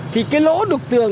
thì cái lỗ đục tường